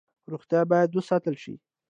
روغتیا باید وساتل شي